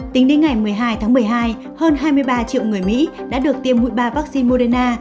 tính đến ngày một mươi hai tháng một mươi hai hơn hai mươi ba triệu người mỹ đã được tiêm mũi ba vaccine moderna